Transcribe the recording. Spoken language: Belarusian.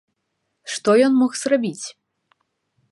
Што ён мог зрабіць?